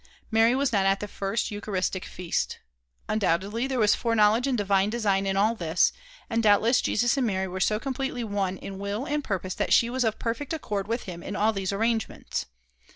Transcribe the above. Mary was not at the first Eucharistic feast. Undoubtedly there was foreknowledge and divine design in all this, and doubtless Jesus and Mary were so completely one in will and purpose that she was of perfect accord with him in all these arrangements.